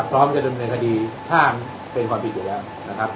พร้อมจะดำเนินคดีถ้าเป็นความผิดอยู่แล้วนะครับ